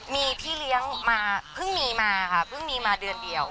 มีพี่เลี้ยงมาเพิ่งมีมาค่ะเพิ่งมีมาเดือนเดียว